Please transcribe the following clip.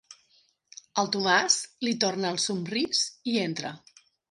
El Tomàs li torna el somrís i entra.